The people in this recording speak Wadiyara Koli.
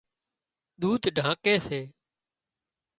ۮُوڌ ڍانڪي سي